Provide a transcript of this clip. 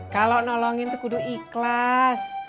kalau nolongin tuh kudu ikhlas